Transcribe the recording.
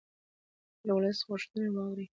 د ولس غوښتنې واورئ